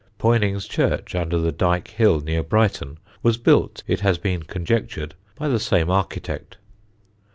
Poynings church, under the Dyke Hill, near Brighton, was built, it has been conjectured, by the same architect.